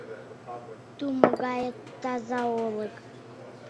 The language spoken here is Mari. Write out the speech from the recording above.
Тумо гае таза Олык.